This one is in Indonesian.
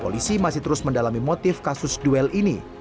polisi masih terus mendalami motif kasus duel ini